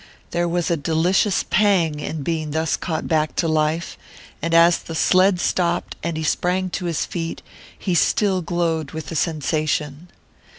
There was a delicious pang in being thus caught back to life; and as the sled stopped, and he sprang to his feet, he still glowed with the sensation.